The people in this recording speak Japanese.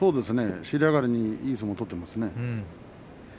尻上がりにいい相撲を取っていますね。